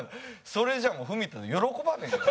「それじゃ文田は喜ばねえよ」。